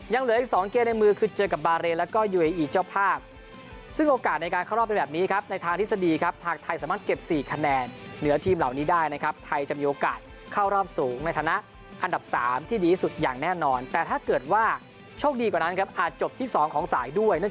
ยังเหลืออีก๒เกมในมือคือเจอกับบาเรนแล้วก็ยุยอีเจ้าภาพซึ่งโอกาสในการเข้ารอบเป็นแบบนี้ครับในทางทฤษฎีครับทางไทยสามารถเก็บ๔คะแนนเหนือทีมเหล่านี้ได้นะครับไทยจะมีโอกาสเข้ารอบสูงในฐานะอันดับ๓ที่ดีที่สุดอย่างแน่นอนแต่ถ้าเกิดว่าโชคดีกว่านั้นครับอาจจบที่๒ของสายด้วย